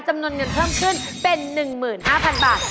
จำนวนเงินเพิ่มขึ้นเป็น๑๕๐๐๐บาท